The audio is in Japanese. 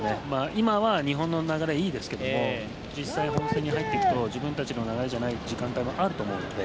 今は日本の流れはいいですけども実際、本戦に入っていくと自分たちの流れじゃない時間帯もあると思うので。